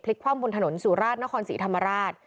ผลิกคว่ำบนถนนสุราชณศรีธรรมราช